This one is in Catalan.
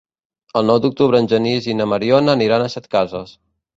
El nou d'octubre en Genís i na Mariona aniran a Setcases.